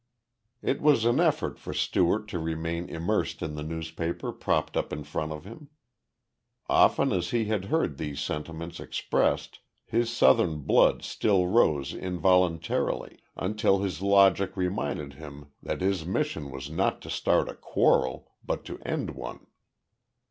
It was an effort for Stewart to remain immersed in the newspaper propped up in front of him. Often as he had heard these sentiments expressed, his Southern blood still rose involuntarily until his logic reminded him that his mission was not to start a quarrel, but to end one.